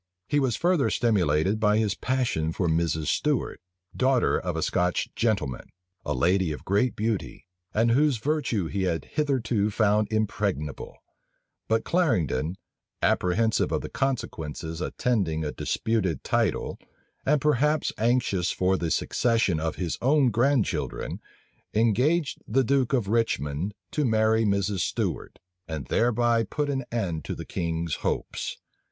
He was further stimulated by his passion for Mrs. Stuart, daughter of a Scotch gentleman; a lady of great beauty, and whose virtue he had hitherto found impregnable: but Clarendon, apprehensive of the consequences attending a disputed title, and perhaps anxious for the succession of his own grandchildren, engaged the duke of Richmond to marry Mrs. Stuart, and thereby put an end to the king's hopes.